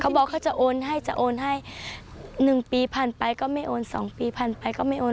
บอกเขาจะโอนให้จะโอนให้๑ปีผ่านไปก็ไม่โอน๒ปีผ่านไปก็ไม่โอน